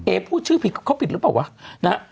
เอพูดชื่อผิดเขาผิดหรือเปล่าวะ